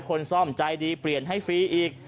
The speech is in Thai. คนซ่อมใจดีเปลี่ยนให้ฟรีอีก